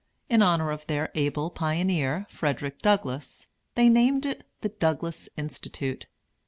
In honor of their able pioneer, Frederick Douglass, they named it "The Douglass Institute."